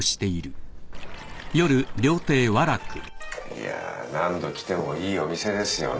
いや何度来てもいいお店ですよね。